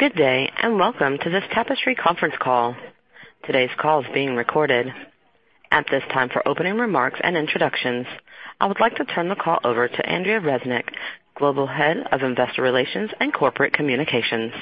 Good day. Welcome to this Tapestry conference call. Today's call is being recorded. At this time, for opening remarks and introductions, I would like to turn the call over to Andrea Resnick, Global Head of Investor Relations and Corporate Communications.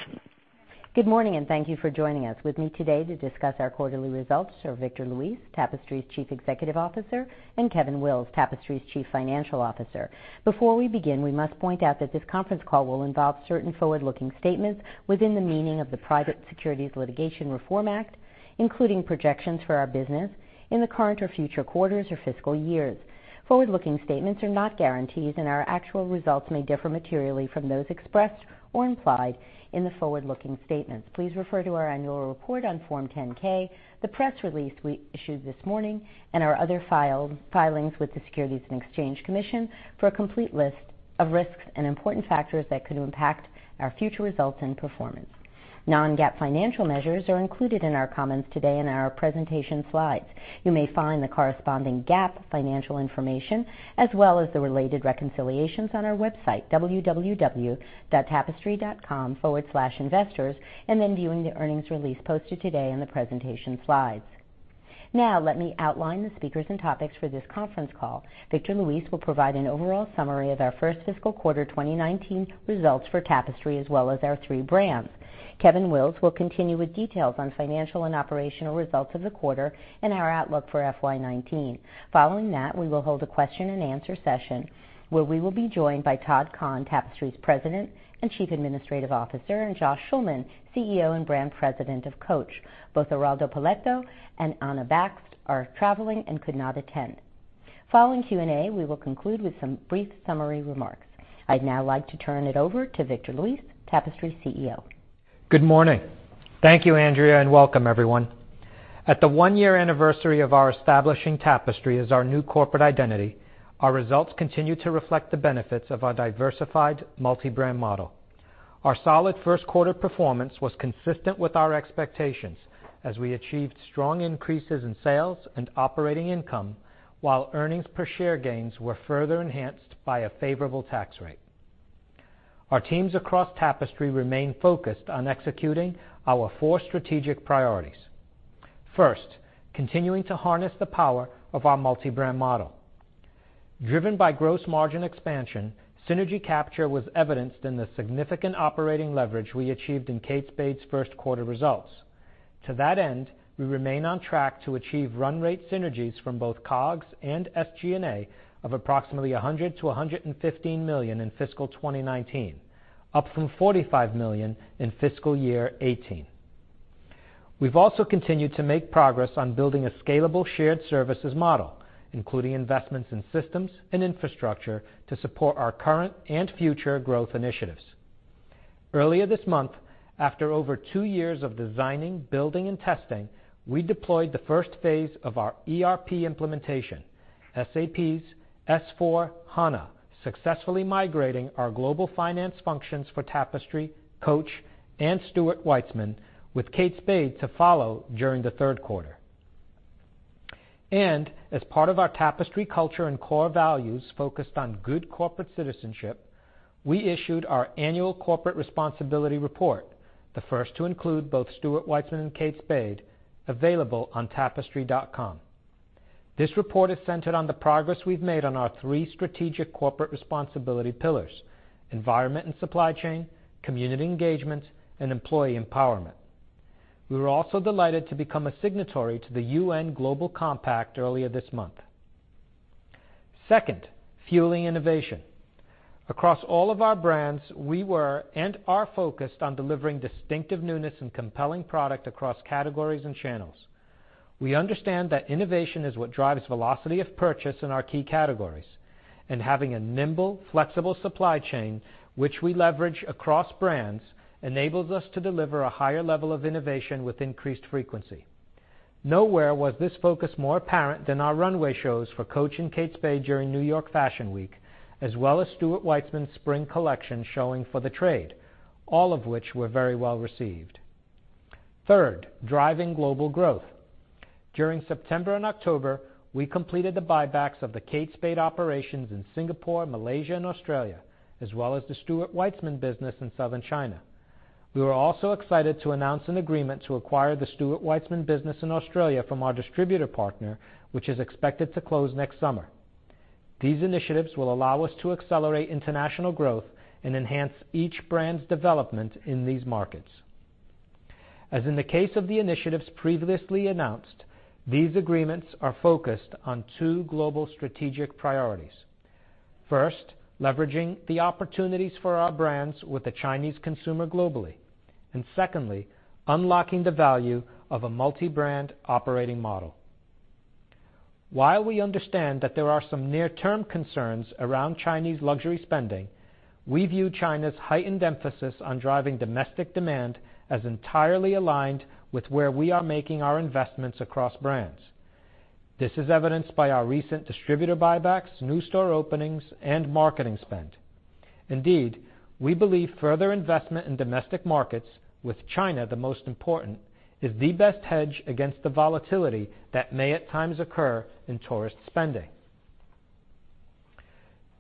Good morning. Thank you for joining us. With me today to discuss our quarterly results are Victor Luis, Tapestry's Chief Executive Officer, and Kevin Wills, Tapestry's Chief Financial Officer. Before we begin, we must point out that this conference call will involve certain forward-looking statements within the meaning of the Private Securities Litigation Reform Act, including projections for our business in the current or future quarters or fiscal years. Forward-looking statements are not guarantees, our actual results may differ materially from those expressed or implied in the forward-looking statements. Please refer to our annual report on Form 10-K, the press release we issued this morning, and our other filings with the Securities and Exchange Commission for a complete list of risks and important factors that could impact our future results and performance. Non-GAAP financial measures are included in our comments today and our presentation slides. You may find the corresponding GAAP financial information as well as the related reconciliations on our website, www.tapestry.com/investors, viewing the earnings release posted today and the presentation slides. Now, let me outline the speakers and topics for this conference call. Victor Luis will provide an overall summary of our first fiscal quarter 2019 results for Tapestry as well as our three brands. Kevin Wills will continue with details on financial and operational results of the quarter and our outlook for FY 2019. Following that, we will hold a question-and-answer session where we will be joined by Todd Kahn, Tapestry's President and Chief Administrative Officer, and Josh Schulman, CEO and Brand President of Coach. Both Eraldo Poletto and Anna Bakst are traveling and could not attend. Following Q&A, we will conclude with some brief summary remarks. I'd now like to turn it over to Victor Luis, Tapestry's CEO. Good morning. Thank you, Andrea. Welcome everyone. At the one-year anniversary of our establishing Tapestry as our new corporate identity, our results continue to reflect the benefits of our diversified multi-brand model. Our solid first quarter performance was consistent with our expectations as we achieved strong increases in sales and operating income, while earnings per share gains were further enhanced by a favorable tax rate. Our teams across Tapestry remain focused on executing our four strategic priorities. First, continuing to harness the power of our multi-brand model. Driven by gross margin expansion, synergy capture was evidenced in the significant operating leverage we achieved in Kate Spade's first quarter results. To that end, we remain on track to achieve run rate synergies from both COGS and SG&A of approximately $100 million-$115 million in fiscal 2019, up from $45 million in fiscal year 2018. We've also continued to make progress on building a scalable shared services model, including investments in systems and infrastructure to support our current and future growth initiatives. Earlier this month, after over two years of designing, building, and testing, we deployed the first phase of our ERP implementation, SAP's S/4HANA, successfully migrating our global finance functions for Tapestry, Coach, and Stuart Weitzman, with Kate Spade to follow during the third quarter. As part of our Tapestry culture and core values focused on good corporate citizenship, we issued our annual corporate responsibility report, the first to include both Stuart Weitzman and Kate Spade, available on tapestry.com. This report is centered on the progress we've made on our three strategic corporate responsibility pillars: environment and supply chain, community engagement, and employee empowerment. We were also delighted to become a signatory to the UN Global Compact earlier this month. Second, fueling innovation. Across all of our brands, we were and are focused on delivering distinctive newness and compelling product across categories and channels. We understand that innovation is what drives velocity of purchase in our key categories, and having a nimble, flexible supply chain, which we leverage across brands, enables us to deliver a higher level of innovation with increased frequency. Nowhere was this focus more apparent than our runway shows for Coach and Kate Spade during New York Fashion Week, as well as Stuart Weitzman's spring collection showing for the trade, all of which were very well received. Third, driving global growth. During September and October, we completed the buybacks of the Kate Spade operations in Singapore, Malaysia, and Australia, as well as the Stuart Weitzman business in Southern China. We were also excited to announce an agreement to acquire the Stuart Weitzman business in Australia from our distributor partner, which is expected to close next summer. These initiatives will allow us to accelerate international growth and enhance each brand's development in these markets. As in the case of the initiatives previously announced, these agreements are focused on two global strategic priorities. First, leveraging the opportunities for our brands with the Chinese consumer globally. Secondly, unlocking the value of a multi-brand operating model. While we understand that there are some near-term concerns around Chinese luxury spending, we view China's heightened emphasis on driving domestic demand as entirely aligned with where we are making our investments across brands. This is evidenced by our recent distributor buybacks, new store openings, and marketing spend. Indeed, we believe further investment in domestic markets, with China the most important, is the best hedge against the volatility that may at times occur in tourist spending.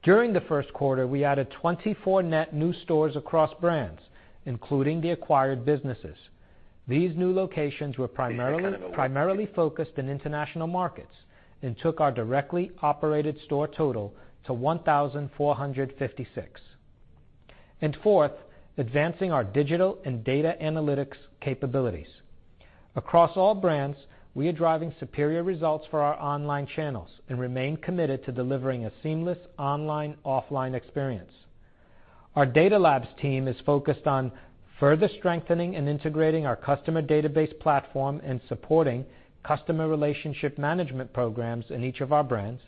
During the first quarter, we added 24 net new stores across brands, including the acquired businesses. These new locations were primarily focused in international markets and took our directly operated store total to 1,456. Fourth, advancing our digital and data analytics capabilities. Across all brands, we are driving superior results for our online channels and remain committed to delivering a seamless online, offline experience. Our data labs team is focused on further strengthening and integrating our customer database platform and supporting customer relationship management programs in each of our brands,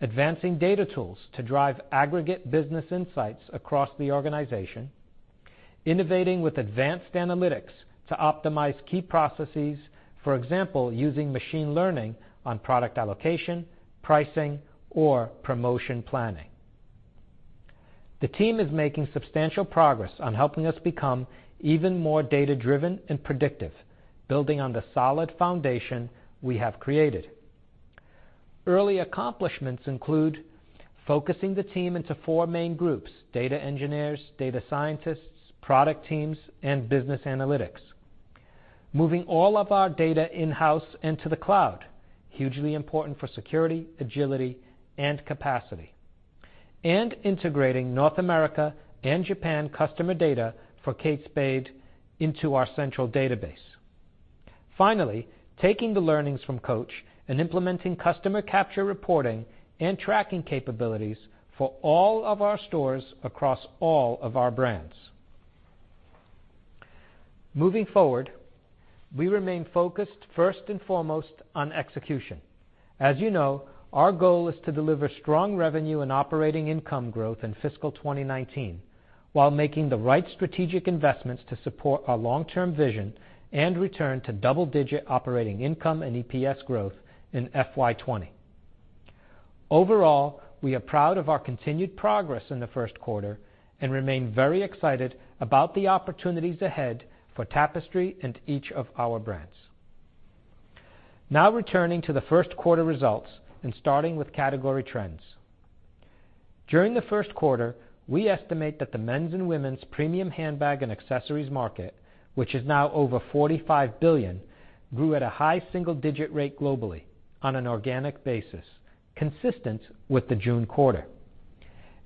advancing data tools to drive aggregate business insights across the organization, innovating with advanced analytics to optimize key processes. For example, using machine learning on product allocation, pricing, or promotion planning. The team is making substantial progress on helping us become even more data-driven and predictive, building on the solid foundation we have created. Early accomplishments include focusing the team into four main groups, data engineers, data scientists, product teams, and business analytics. Moving all of our data in-house into the cloud, hugely important for security, agility, and capacity. Integrating North America and Japan customer data for Kate Spade into our central database. Finally, taking the learnings from Coach and implementing customer capture reporting and tracking capabilities for all of our stores across all of our brands. Moving forward, we remain focused first and foremost on execution. As you know, our goal is to deliver strong revenue and operating income growth in fiscal 2019, while making the right strategic investments to support our long-term vision and return to double-digit operating income and EPS growth in FY 2020. Overall, we are proud of our continued progress in the first quarter and remain very excited about the opportunities ahead for Tapestry and each of our brands. Now returning to the first quarter results and starting with category trends. During the first quarter, we estimate that the men's and women's premium handbag and accessories market, which is now over $45 billion, grew at a high single-digit rate globally on an organic basis, consistent with the June quarter.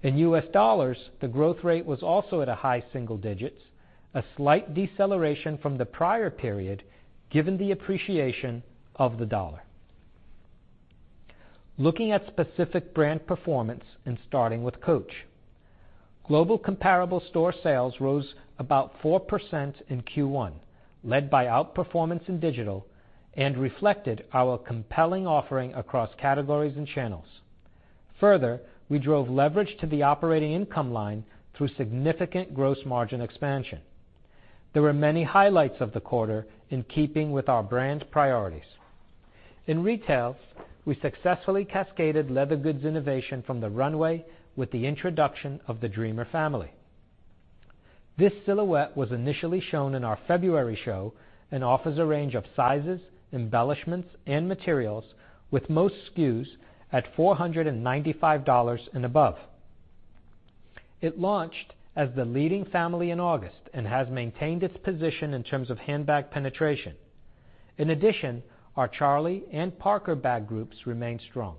In US dollars, the growth rate was also at a high single digits, a slight deceleration from the prior period, given the appreciation of the dollar. Looking at specific brand performance and starting with Coach. Global comparable store sales rose about 4% in Q1, led by outperformance in digital and reflected our compelling offering across categories and channels. Further, we drove leverage to the operating income line through significant gross margin expansion. There were many highlights of the quarter in keeping with our brand's priorities. In retail, we successfully cascaded leather goods innovation from the runway with the introduction of the Dreamer family. This silhouette was initially shown in our February show and offers a range of sizes, embellishments, and materials with most SKUs at $495 and above. It launched as the leading family in August and has maintained its position in terms of handbag penetration. In addition, our Charlie and Parker bag groups remain strong.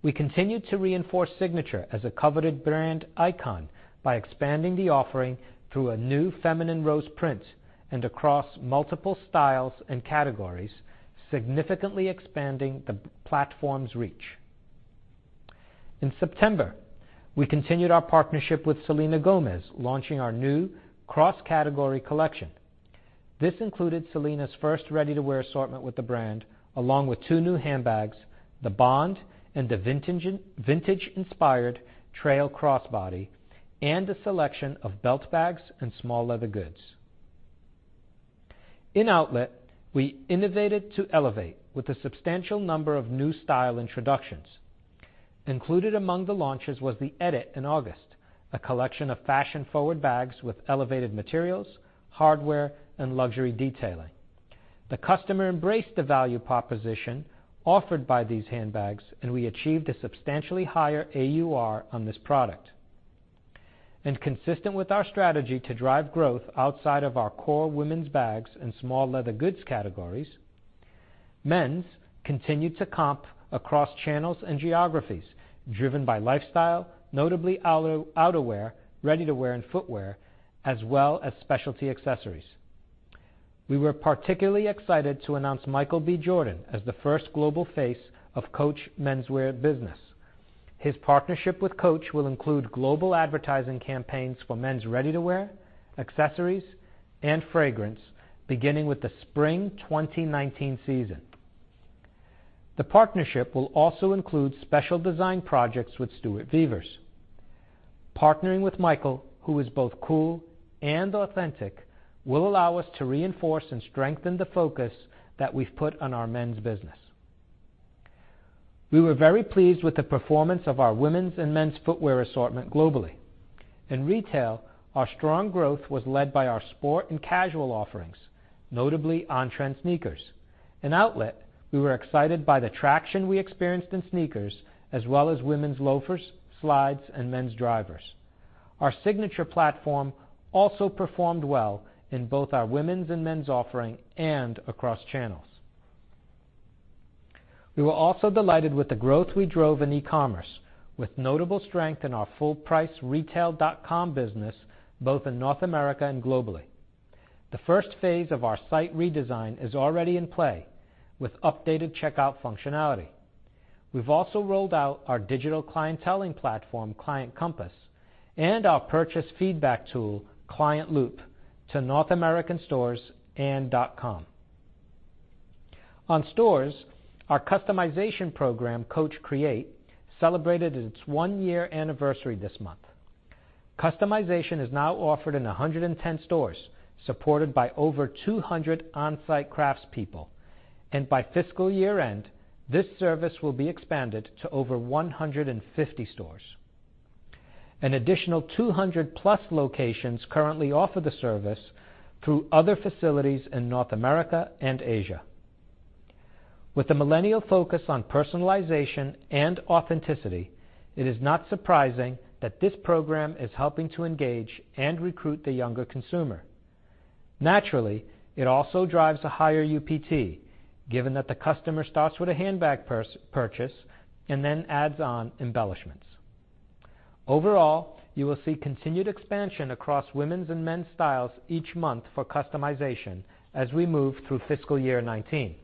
We continue to reinforce Signature as a coveted brand icon by expanding the offering through a new feminine rose print and across multiple styles and categories, significantly expanding the platform's reach. In September, we continued our partnership with Selena Gomez, launching our new cross-category collection. This included Selena's first ready-to-wear assortment with the brand, along with two new handbags, the Bond and the vintage-inspired Trail crossbody, and a selection of belt bags and small leather goods. In outlet, we innovated to elevate with a substantial number of new style introductions. Included among the launches was The Edit in August, a collection of fashion-forward bags with elevated materials, hardware, and luxury detailing. The customer embraced the value proposition offered by these handbags, and we achieved a substantially higher AUR on this product. Consistent with our strategy to drive growth outside of our core women's bags and small leather goods categories, men's continued to comp across channels and geographies driven by lifestyle, notably outerwear, ready-to-wear, and footwear, as well as specialty accessories. We were particularly excited to announce Michael B. Jordan as the first global face of Coach menswear business. His partnership with Coach will include global advertising campaigns for men's ready-to-wear, accessories, and fragrance, beginning with the spring 2019 season. The partnership will also include special design projects with Stuart Vevers. Partnering with Michael, who is both cool and authentic, will allow us to reinforce and strengthen the focus that we've put on our men's business. We were very pleased with the performance of our women's and men's footwear assortment globally. In retail, our strong growth was led by our sport and casual offerings, notably on-trend sneakers. In outlet, we were excited by the traction we experienced in sneakers as well as women's loafers, slides, and men's drivers. Our Signature platform also performed well in both our women's and men's offering and across channels. We were also delighted with the growth we drove in e-commerce, with notable strength in our full-price retail.com business, both in North America and globally. The first phase of our site redesign is already in play with updated checkout functionality. We've also rolled out our digital clienteling platform, Client Compass, and our purchase feedback tool, Client Loop, to North American stores and .com. On stores, our customization program, Coach Create, celebrated its one-year anniversary this month. Customization is now offered in 110 stores, supported by over 200 on-site craftspeople, and by fiscal year-end, this service will be expanded to over 150 stores. An additional 200-plus locations currently offer the service through other facilities in North America and Asia. With the millennial focus on personalization and authenticity, it is not surprising that this program is helping to engage and recruit the younger consumer. Naturally, it also drives a higher UPT, given that the customer starts with a handbag purchase and then adds on embellishments. Overall, you will see continued expansion across women's and men's styles each month for customization as we move through fiscal year 2019.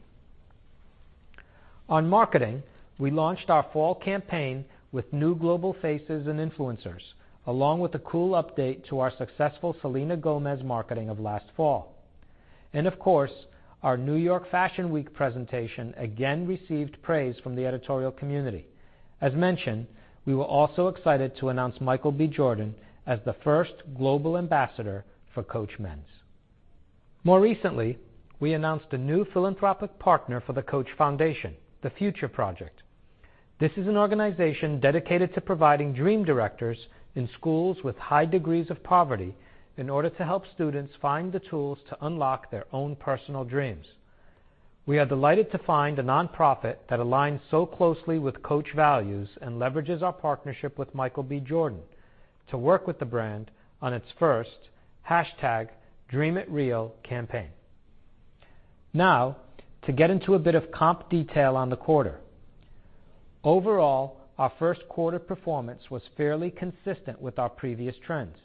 On marketing, we launched our fall campaign with new global faces and influencers, along with a cool update to our successful Selena Gomez marketing of last fall. Of course, our New York Fashion Week presentation again received praise from the editorial community. As mentioned, we were also excited to announce Michael B. Jordan as the first global ambassador for Coach Men's. More recently, we announced a new philanthropic partner for the Coach Foundation, The Future Project. This is an organization dedicated to providing dream directors in schools with high degrees of poverty in order to help students find the tools to unlock their own personal dreams. We are delighted to find a nonprofit that aligns so closely with Coach values and leverages our partnership with Michael B. Jordan to work with the brand on its first #DreamItReal campaign. To get into a bit of comp detail on the quarter. Overall, our first quarter performance was fairly consistent with our previous trends,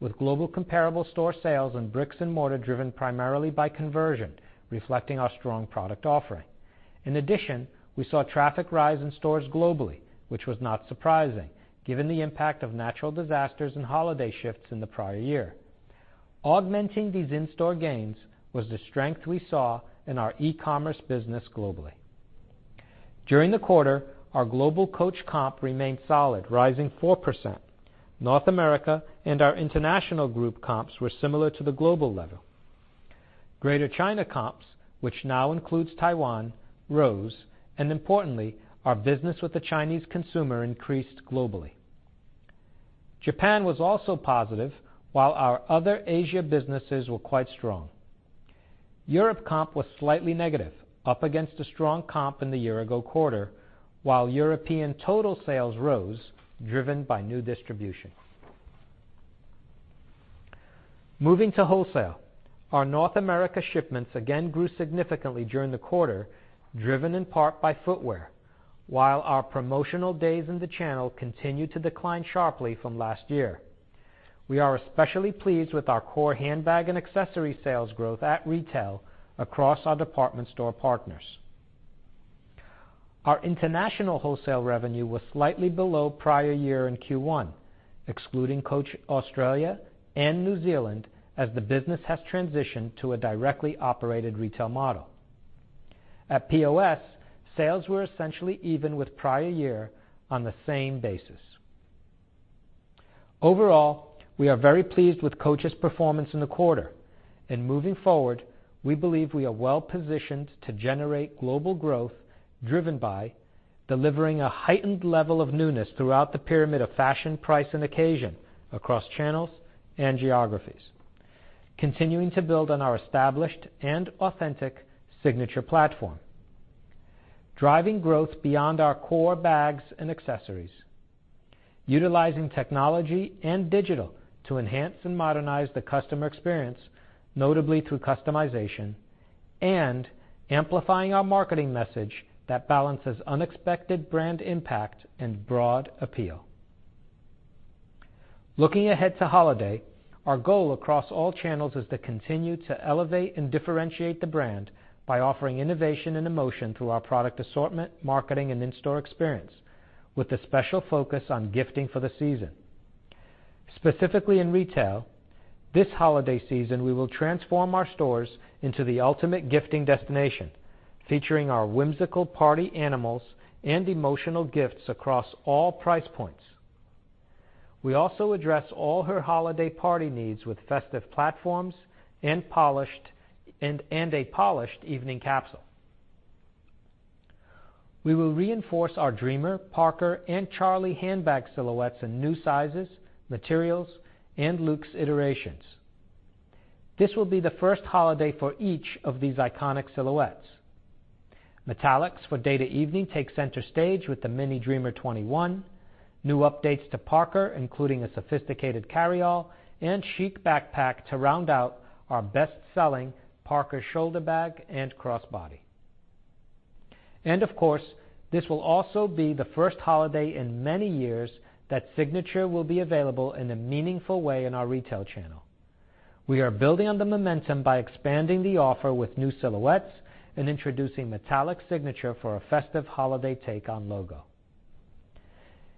with global comparable store sales and bricks and mortar driven primarily by conversion, reflecting our strong product offering. In addition, we saw traffic rise in stores globally, which was not surprising given the impact of natural disasters and holiday shifts in the prior year. Augmenting these in-store gains was the strength we saw in our e-commerce business globally. During the quarter, our global Coach comp remained solid, rising 4%. North America and our international group comps were similar to the global level. Greater China comps, which now includes Taiwan, rose, and importantly, our business with the Chinese consumer increased globally. Japan was also positive, while our other Asia businesses were quite strong. Europe comp was slightly negative, up against a strong comp in the year-ago quarter, while European total sales rose, driven by new distribution. Moving to wholesale, our North America shipments again grew significantly during the quarter, driven in part by footwear, while our promotional days in the channel continued to decline sharply from last year. We are especially pleased with our core handbag and accessory sales growth at retail across our department store partners. Our international wholesale revenue was slightly below prior year in Q1, excluding Coach Australia and New Zealand, as the business has transitioned to a directly operated retail model. At POS, sales were essentially even with prior year on the same basis. Overall, we are very pleased with Coach's performance in the quarter. Moving forward, we believe we are well-positioned to generate global growth driven by delivering a heightened level of newness throughout the pyramid of fashion, price, and occasion across channels and geographies, continuing to build on our established and authentic Signature platform, driving growth beyond our core bags and accessories, utilizing technology and digital to enhance and modernize the customer experience, notably through customization, and amplifying our marketing message that balances unexpected brand impact and broad appeal. Looking ahead to holiday, our goal across all channels is to continue to elevate and differentiate the brand by offering innovation and emotion through our product assortment, marketing, and in-store experience, with a special focus on gifting for the season. Specifically in retail, this holiday season, we will transform our stores into the ultimate gifting destination, featuring our whimsical party animals and emotional gifts across all price points. We also address all her holiday party needs with festive platforms and a polished evening capsule. We will reinforce our Dreamer, Parker, and Charlie handbag silhouettes in new sizes, materials, and luxe iterations. This will be the first holiday for each of these iconic silhouettes. Metallics for day to evening take center stage with the Mini Dreamer 21, new updates to Parker, including a sophisticated carryall and chic backpack to round out our best-selling Parker shoulder bag and crossbody. Of course, this will also be the first holiday in many years that Signature will be available in a meaningful way in our retail channel. We are building on the momentum by expanding the offer with new silhouettes and introducing metallic Signature for a festive holiday take on logo.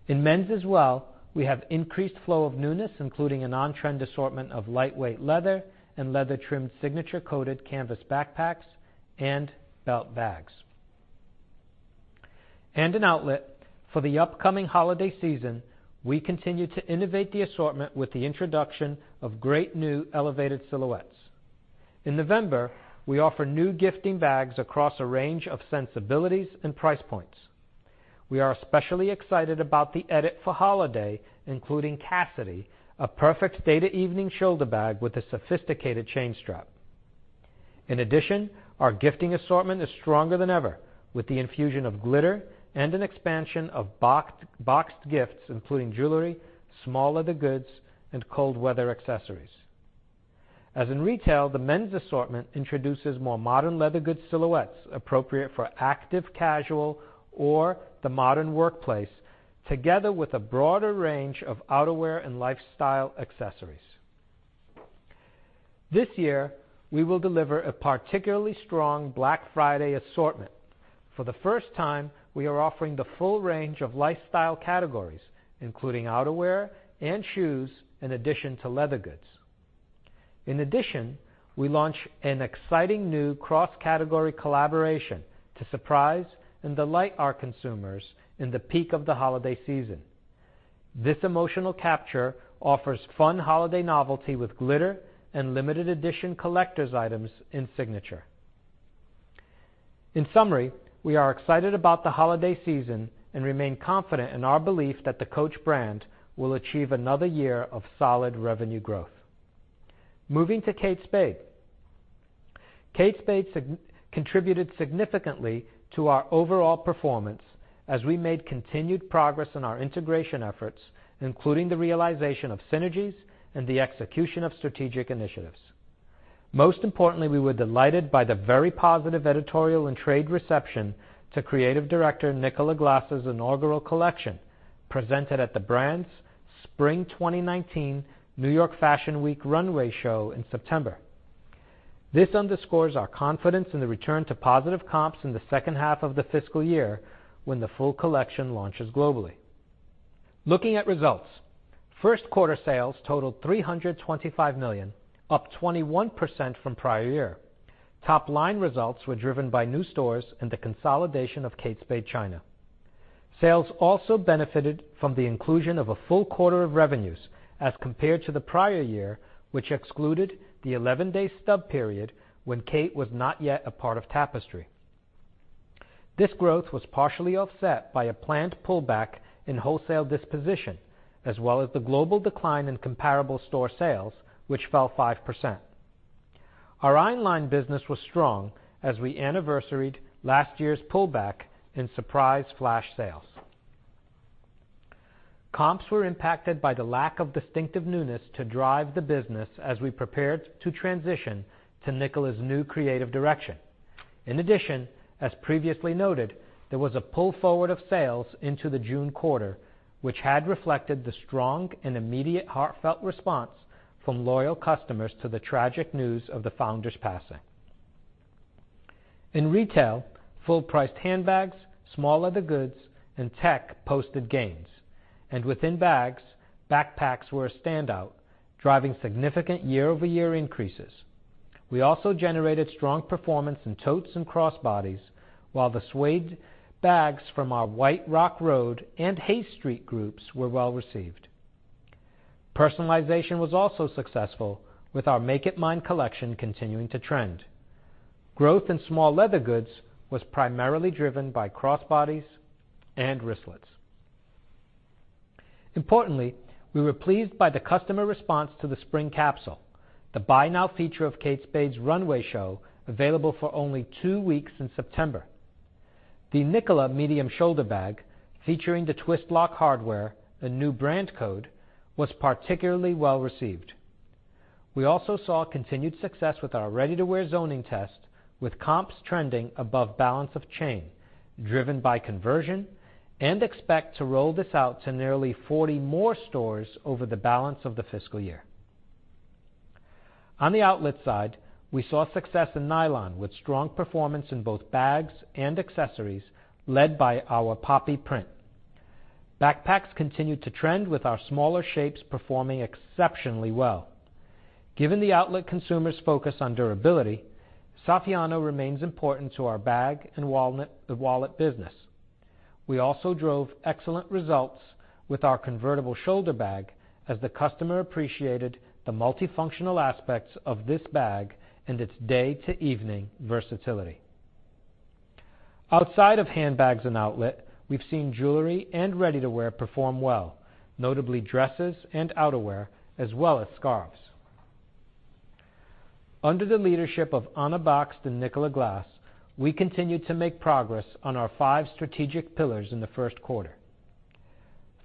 In men's as well, we have increased flow of newness, including an on-trend assortment of lightweight leather and leather trim Signature-coated canvas backpacks and belt bags. In outlet, for the upcoming holiday season, we continue to innovate the assortment with the introduction of great new elevated silhouettes. In November, we offer new gifting bags across a range of sensibilities and price points. We are especially excited about The Edit for holiday, including Cassidy, a perfect day to evening shoulder bag with a sophisticated chain strap. In addition, our gifting assortment is stronger than ever, with the infusion of glitter and an expansion of boxed gifts, including jewelry, small leather goods, and cold weather accessories. In retail, the men's assortment introduces more modern leather goods silhouettes appropriate for active casual or the modern workplace, together with a broader range of outerwear and lifestyle accessories. This year, we will deliver a particularly strong Black Friday assortment. For the first time, we are offering the full range of lifestyle categories, including outerwear and shoes, in addition to leather goods. In addition, we launch an exciting new cross-category collaboration to surprise and delight our consumers in the peak of the holiday season. This emotional capture offers fun holiday novelty with glitter and limited edition collector's items in Signature. In summary, we are excited about the holiday season and remain confident in our belief that the Coach brand will achieve another year of solid revenue growth. Moving to Kate Spade. Kate Spade contributed significantly to our overall performance as we made continued progress on our integration efforts, including the realization of synergies and the execution of strategic initiatives. Most importantly, we were delighted by the very positive editorial and trade reception to creative director Nicola Glass' inaugural collection, presented at the brand's Spring 2019 New York Fashion Week runway show in September. This underscores our confidence in the return to positive comps in the second half of the fiscal year, when the full collection launches globally. Looking at results. First quarter sales totaled $325 million, up 21% from prior year. Top line results were driven by new stores and the consolidation of Kate Spade China. Sales also benefited from the inclusion of a full quarter of revenues, as compared to the prior year, which excluded the 11-day stub period when Kate was not yet a part of Tapestry. This growth was partially offset by a planned pullback in wholesale disposition, as well as the global decline in comparable store sales, which fell 5%. Our online business was strong as we anniversaried last year's pullback in surprise flash sales. Comps were impacted by the lack of distinctive newness to drive the business as we prepared to transition to Nicola's new creative direction. In addition, as previously noted, there was a pull forward of sales into the June quarter, which had reflected the strong and immediate heartfelt response from loyal customers to the tragic news of the founder's passing. In retail, full priced handbags, small leather goods, and tech posted gains. Within bags, backpacks were a standout, driving significant year-over-year increases. We also generated strong performance in totes and crossbodies, while the suede bags from our White Rock Road and Hayes Street groups were well received. Personalization was also successful, with our Make It Mine collection continuing to trend. Growth in small leather goods was primarily driven by crossbodies and wristlets. Importantly, we were pleased by the customer response to the spring capsule, the buy now feature of Kate Spade's runway show, available for only two weeks in September. The Nicola medium shoulder bag, featuring the twist lock hardware, the new brand code, was particularly well received. We also saw continued success with our ready-to-wear zoning test, with comps trending above balance of chain, driven by conversion, and expect to roll this out to nearly 40 more stores over the balance of the fiscal year. On the outlet side, we saw success in nylon with strong performance in both bags and accessories, led by our Poppy print. Backpacks continued to trend with our smaller shapes performing exceptionally well. Given the outlet consumer's focus on durability, Saffiano remains important to our bag and wallet business. We also drove excellent results with our convertible shoulder bag, as the customer appreciated the multifunctional aspects of this bag and its day-to-evening versatility. Outside of handbags and outlet, we've seen jewelry and ready-to-wear perform well, notably dresses and outerwear, as well as scarves. Under the leadership of Anna Bakst and Nicola Glass, we continued to make progress on our five strategic pillars in the first quarter.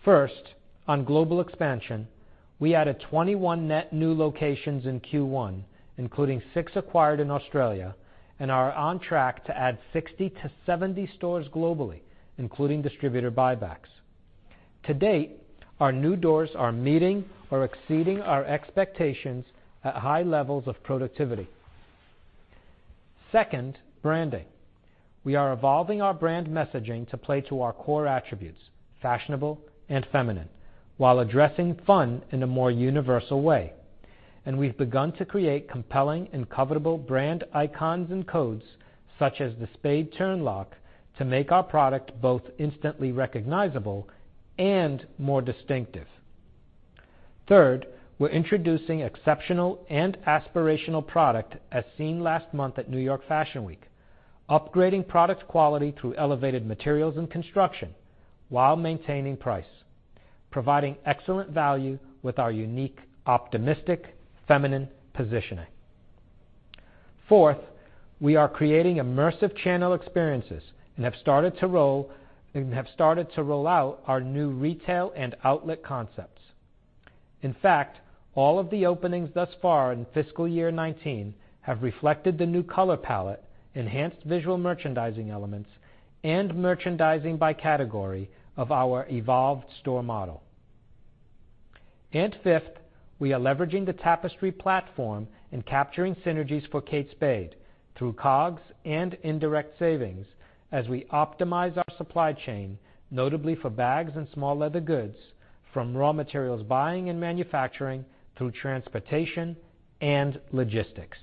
First, on global expansion, we added 21 net new locations in Q1, including six acquired in Australia, and are on track to add 60 to 70 stores globally, including distributor buybacks. To date, our new doors are meeting or exceeding our expectations at high levels of productivity. Second, branding. We are evolving our brand messaging to play to our core attributes, fashionable and feminine, while addressing fun in a more universal way. We've begun to create compelling and covetable brand icons and codes, such as the spade turn lock, to make our product both instantly recognizable and more distinctive. Third, we're introducing exceptional and aspirational product, as seen last month at New York Fashion Week, upgrading product quality through elevated materials and construction while maintaining price, providing excellent value with our unique, optimistic, feminine positioning. Fourth, we are creating immersive channel experiences and have started to roll out our new retail and outlet concepts. In fact, all of the openings thus far in fiscal year 2019 have reflected the new color palette, enhanced visual merchandising elements, and merchandising by category of our evolved store model. Fifth, we are leveraging the Tapestry platform and capturing synergies for Kate Spade through COGS and indirect savings as we optimize our supply chain, notably for bags and small leather goods, from raw materials buying and manufacturing through transportation and logistics.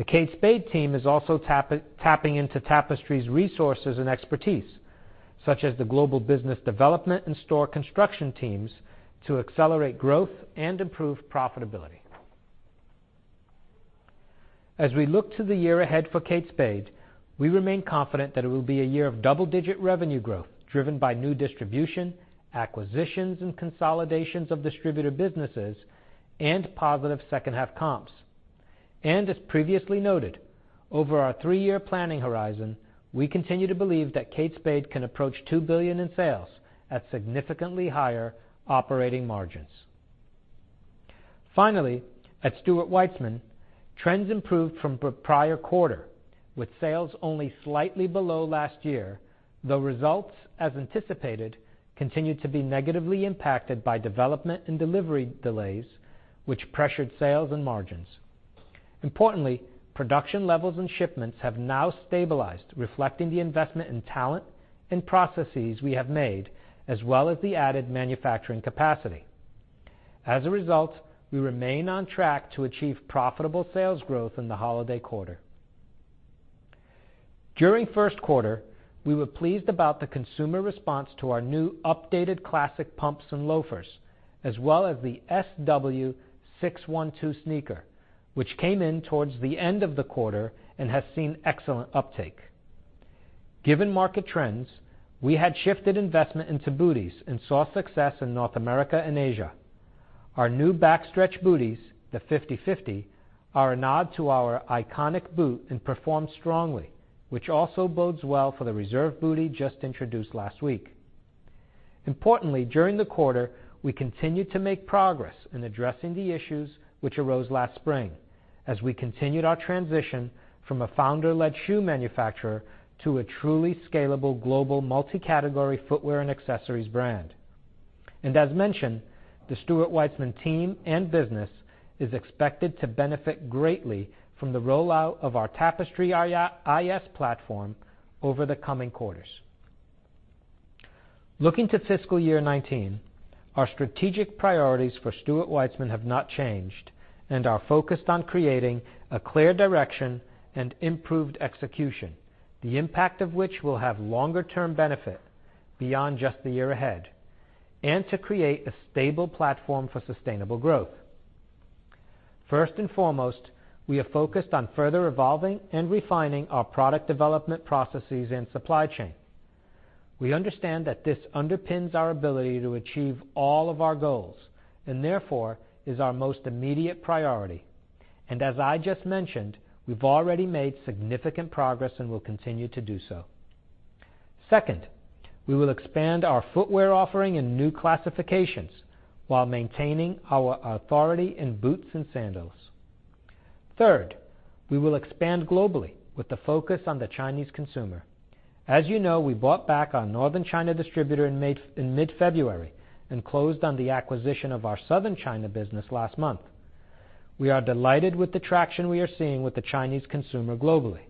The Kate Spade team is also tapping into Tapestry's resources and expertise, such as the global business development and store construction teams, to accelerate growth and improve profitability. As we look to the year ahead for Kate Spade, we remain confident that it will be a year of double-digit revenue growth, driven by new distribution, acquisitions and consolidations of distributor businesses, and positive second half comps. As previously noted, over our three-year planning horizon, we continue to believe that Kate Spade can approach $2 billion in sales at significantly higher operating margins. Finally, at Stuart Weitzman, trends improved from the prior quarter, with sales only slightly below last year. The results, as anticipated, continued to be negatively impacted by development and delivery delays, which pressured sales and margins. Importantly, production levels and shipments have now stabilized, reflecting the investment in talent and processes we have made, as well as the added manufacturing capacity. As a result, we remain on track to achieve profitable sales growth in the holiday quarter. During the first quarter, we were pleased about the consumer response to our new updated classic pumps and loafers, as well as the SW-612 sneaker, which came in towards the end of the quarter and has seen excellent uptake. Given market trends, we had shifted investment into booties and saw success in North America and Asia. Our new back-stretch booties, the 5050, are a nod to our iconic boot and performed strongly, which also bodes well for the Reserve boot just introduced last week. Importantly, during the quarter, we continued to make progress in addressing the issues which arose last spring as we continued our transition from a founder-led shoe manufacturer to a truly scalable global multi-category footwear and accessories brand. As mentioned, the Stuart Weitzman team and business is expected to benefit greatly from the rollout of our Tapestry IS platform over the coming quarters. Looking to FY 2019, our strategic priorities for Stuart Weitzman have not changed and are focused on creating a clear direction and improved execution, the impact of which will have longer-term benefit beyond just the year ahead, and to create a stable platform for sustainable growth. First and foremost, we are focused on further evolving and refining our product development processes and supply chain. We understand that this underpins our ability to achieve all of our goals, and therefore, is our most immediate priority. As I just mentioned, we've already made significant progress and will continue to do so. Second, we will expand our footwear offering in new classifications while maintaining our authority in boots and sandals. Third, we will expand globally with the focus on the Chinese consumer. As you know, we bought back our Northern China distributor in mid-February and closed on the acquisition of our Southern China business last month. We are delighted with the traction we are seeing with the Chinese consumer globally.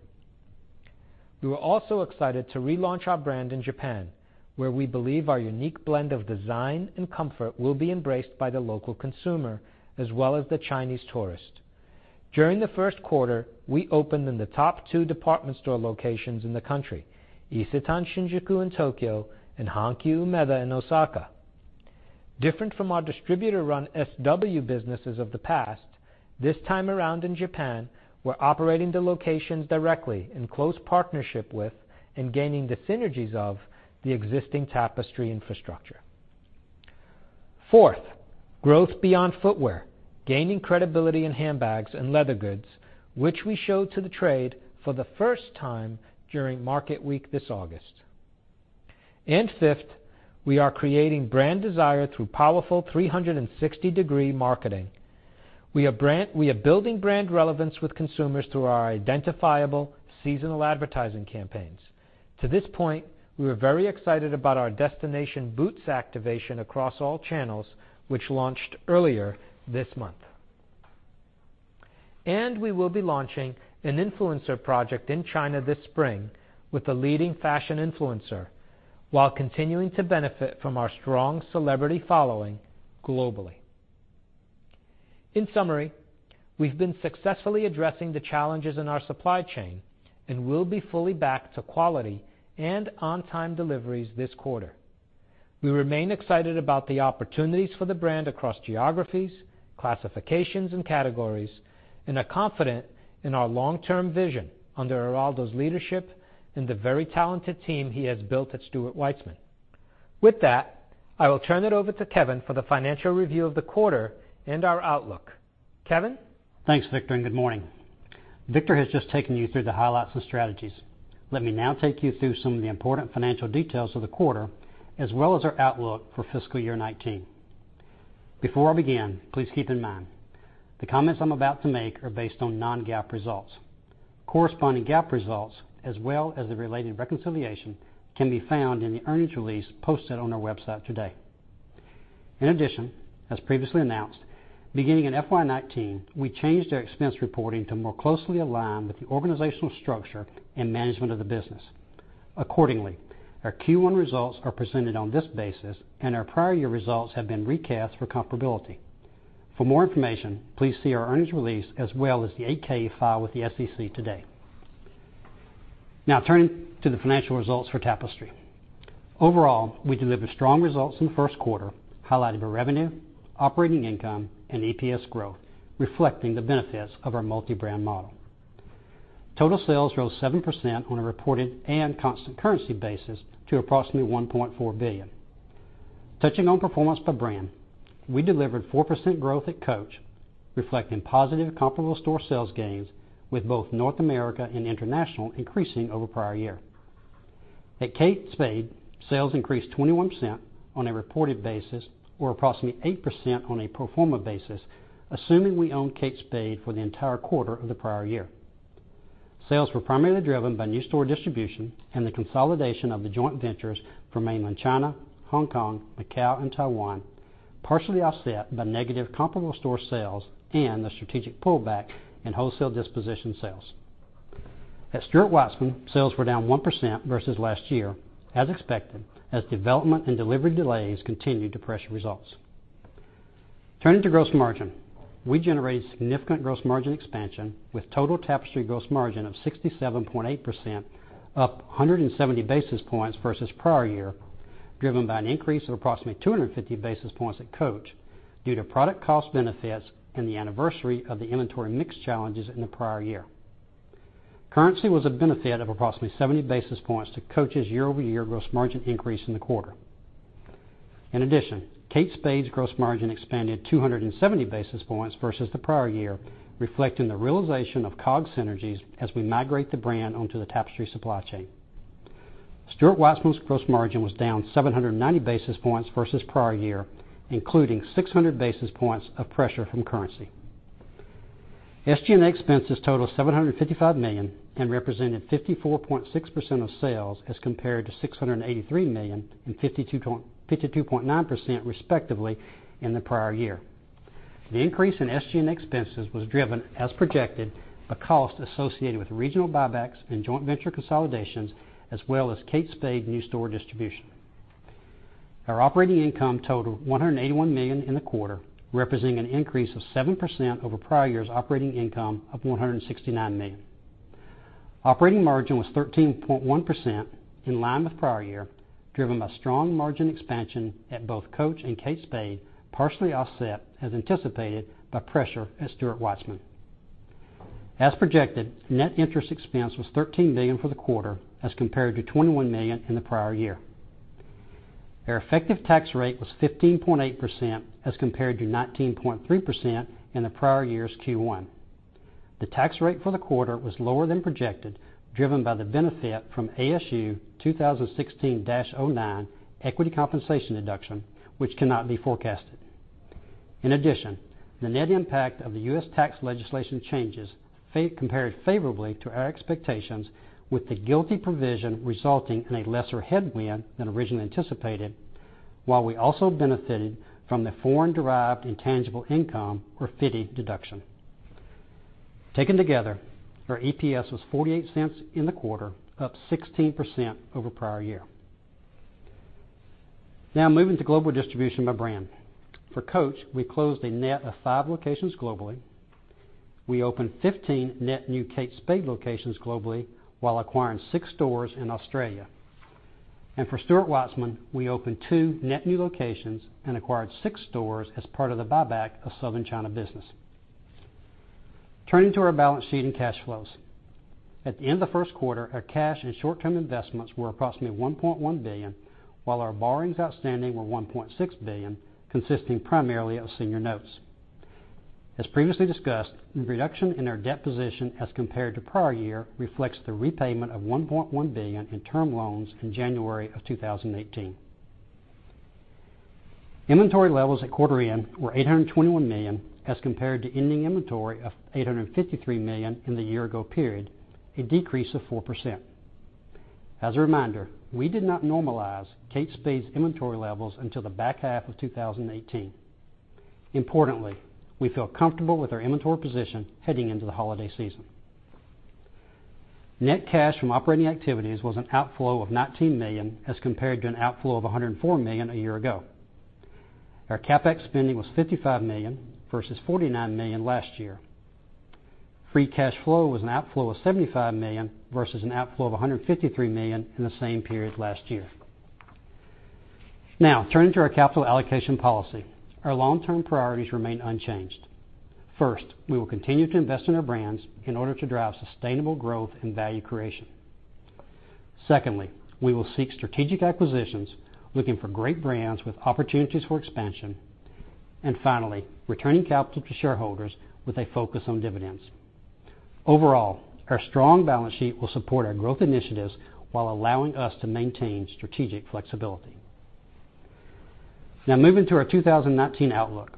We were also excited to relaunch our brand in Japan, where we believe our unique blend of design and comfort will be embraced by the local consumer as well as the Chinese tourist. During the first quarter, we opened in the top two department store locations in the country, Isetan Shinjuku in Tokyo and Hankyu Umeda in Osaka. Different from our distributor-run SW businesses of the past, this time around in Japan, we're operating the locations directly in close partnership with and gaining the synergies of the existing Tapestry infrastructure. Fourth, growth beyond footwear, gaining credibility in handbags and leather goods, which we showed to the trade for the first time during market week this August. Fifth, we are creating brand desire through powerful 360-degree marketing. We are building brand relevance with consumers through our identifiable seasonal advertising campaigns. To this point, we are very excited about our destination boots activation across all channels, which launched earlier this month. We will be launching an influencer project in China this spring with a leading fashion influencer, while continuing to benefit from our strong celebrity following globally. In summary, we've been successfully addressing the challenges in our supply chain and will be fully back to quality and on-time deliveries this quarter. We remain excited about the opportunities for the brand across geographies, classifications, and categories, and are confident in our long-term vision under Eraldo's leadership and the very talented team he has built at Stuart Weitzman. With that, I will turn it over to Kevin for the financial review of the quarter and our outlook. Kevin? Thanks, Victor, and good morning. Victor has just taken you through the highlights and strategies. Let me now take you through some of the important financial details of the quarter, as well as our outlook for fiscal year 2019. Before I begin, please keep in mind, the comments I'm about to make are based on non-GAAP results. Corresponding GAAP results, as well as the related reconciliation, can be found in the earnings release posted on our website today. As previously announced, beginning in FY 2019, we changed our expense reporting to more closely align with the organizational structure and management of the business. Accordingly, our Q1 results are presented on this basis, and our prior year results have been recast for comparability. For more information, please see our earnings release as well as the 8-K filed with the SEC today. Turning to the financial results for Tapestry. Overall, we delivered strong results in the first quarter, highlighting the revenue, operating income, and EPS growth, reflecting the benefits of our multi-brand model. Total sales rose 7% on a reported and constant currency basis to approximately $1.4 billion. Touching on performance by brand, we delivered 4% growth at Coach, reflecting positive comparable store sales gains with both North America and international increasing over prior year. At Kate Spade, sales increased 21% on a reported basis or approximately 8% on a pro forma basis, assuming we own Kate Spade for the entire quarter of the prior year. Sales were primarily driven by new store distribution and the consolidation of the joint ventures for Mainland China, Hong Kong, Macau, and Taiwan, partially offset by negative comparable store sales and the strategic pullback in wholesale disposition sales. At Stuart Weitzman, sales were down 1% versus last year as expected, as development and delivery delays continued to pressure results. Turning to gross margin, we generated significant gross margin expansion with total Tapestry gross margin of 67.8%, up 170 basis points versus prior year, driven by an increase of approximately 250 basis points at Coach due to product cost benefits and the anniversary of the inventory mix challenges in the prior year. Currency was a benefit of approximately 70 basis points to Coach's year-over-year gross margin increase in the quarter. Kate Spade's gross margin expanded 270 basis points versus the prior year, reflecting the realization of COGS synergies as we migrate the brand onto the Tapestry supply chain. Stuart Weitzman's gross margin was down 790 basis points versus prior year, including 600 basis points of pressure from currency. SG&A expenses totaled $755 million and represented 54.6% of sales as compared to $683 million and 52.9%, respectively, in the prior year. The increase in SG&A expenses was driven, as projected, by cost associated with regional buybacks and joint venture consolidations, as well as Kate Spade new store distribution. Our operating income totaled $181 million in the quarter, representing an increase of 7% over prior year's operating income of $169 million. Operating margin was 13.1%, in line with prior year, driven by strong margin expansion at both Coach and Kate Spade, partially offset as anticipated by pressure at Stuart Weitzman. As projected, net interest expense was $13 million for the quarter as compared to $21 million in the prior year. Our effective tax rate was 15.8% as compared to 19.3% in the prior year's Q1. The tax rate for the quarter was lower than projected, driven by the benefit from ASU 2016-09 equity compensation deduction, which cannot be forecasted. In addition, the net impact of the U.S. tax legislation changes compared favorably to our expectations with the GILTI provision resulting in a lesser headwind than originally anticipated, while we also benefited from the foreign-derived intangible income, or FDII deduction. Taken together, our EPS was $0.48 in the quarter, up 16% over prior year. Now moving to global distribution by brand. For Coach, we closed a net of five locations globally. We opened 15 net new Kate Spade locations globally while acquiring six stores in Australia. For Stuart Weitzman, we opened two net new locations and acquired six stores as part of the buyback of Southern China business. Turning to our balance sheet and cash flows. At the end of the first quarter, our cash and short-term investments were approximately $1.1 billion, while our borrowings outstanding were $1.6 billion, consisting primarily of senior notes. As previously discussed, the reduction in our debt position as compared to prior year reflects the repayment of $1.1 billion in term loans in January 2018. Inventory levels at quarter end were $821 million as compared to ending inventory of $853 million in the year-ago period, a decrease of 4%. As a reminder, we did not normalize Kate Spade's inventory levels until the back half of 2018. Importantly, we feel comfortable with our inventory position heading into the holiday season. Net cash from operating activities was an outflow of $19 million as compared to an outflow of $104 million a year ago. Our CapEx spending was $55 million versus $49 million last year. Free cash flow was an outflow of $75 million versus an outflow of $153 million in the same period last year. Now, turning to our capital allocation policy. Our long-term priorities remain unchanged. First, we will continue to invest in our brands in order to drive sustainable growth and value creation. Secondly, we will seek strategic acquisitions, looking for great brands with opportunities for expansion. Finally, returning capital to shareholders with a focus on dividends. Overall, our strong balance sheet will support our growth initiatives while allowing us to maintain strategic flexibility. Now moving to our 2019 outlook.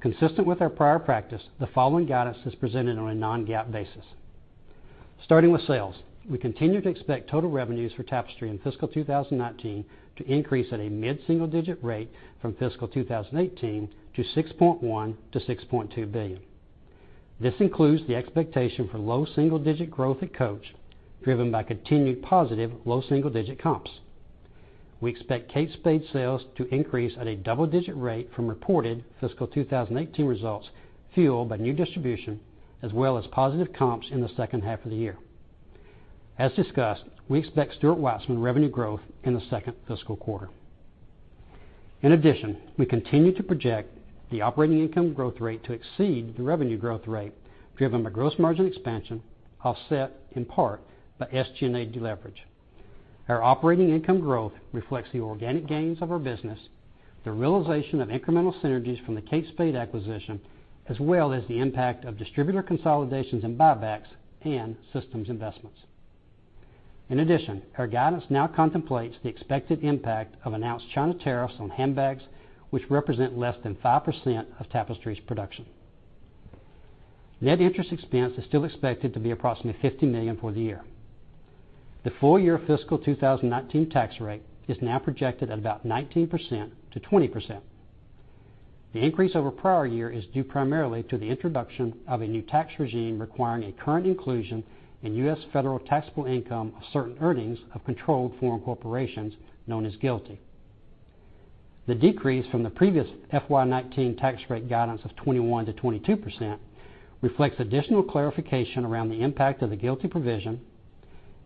Consistent with our prior practice, the following guidance is presented on a non-GAAP basis. Starting with sales, we continue to expect total revenues for Tapestry in fiscal 2019 to increase at a mid-single-digit rate from fiscal 2018 to $6.1 billion-$6.2 billion. This includes the expectation for low single-digit growth at Coach, driven by continued positive low single-digit comps. We expect Kate Spade sales to increase at a double-digit rate from reported fiscal 2018 results fueled by new distribution as well as positive comps in the second half of the year. As discussed, we expect Stuart Weitzman revenue growth in the second fiscal quarter. In addition, we continue to project the operating income growth rate to exceed the revenue growth rate, driven by gross margin expansion, offset in part by SGA deleverage. Our operating income growth reflects the organic gains of our business, the realization of incremental synergies from the Kate Spade acquisition, as well as the impact of distributor consolidations and buybacks and systems investments. In addition, our guidance now contemplates the expected impact of announced China tariffs on handbags, which represent less than 5% of Tapestry's production. Net interest expense is still expected to be approximately $50 million for the year. The full-year fiscal 2019 tax rate is now projected at about 19%-20%. The increase over prior year is due primarily to the introduction of a new tax regime requiring a current inclusion in U.S. federal taxable income of certain earnings of controlled foreign corporations, known as GILTI. The decrease from the previous FY 2019 tax rate guidance of 21%-22% reflects additional clarification around the impact of the GILTI provision,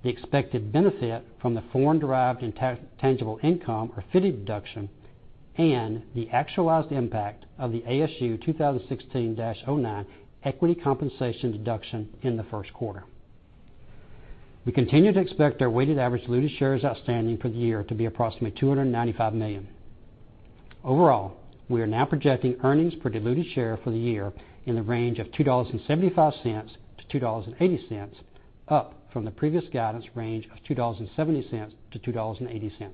the expected benefit from the foreign-derived intangible income, or FDII deduction, and the actualized impact of the ASU 2016-09 equity compensation deduction in the first quarter. We continue to expect our weighted average diluted shares outstanding for the year to be approximately 295 million. Overall, we are now projecting earnings per diluted share for the year in the range of $2.75-$2.80, up from the previous guidance range of $2.70-$2.80.